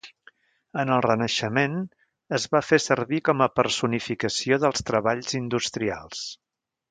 En el Renaixement, es va fer servir com a personificació dels treballs industrials.